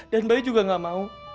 dan bayu juga nggak mau